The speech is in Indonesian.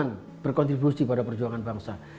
dan pinggir don impacting untuk kita